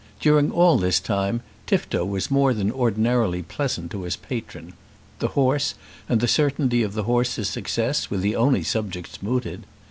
During all this time, Tifto was more than ordinarily pleasant to his patron. The horse and the certainty of the horse's success were the only subjects mooted.